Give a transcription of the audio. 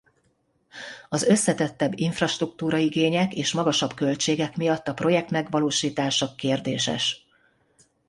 Az összetettebb infrastruktúra-igények és magasabb költségek miatt a projekt megvalósítása kérdéses.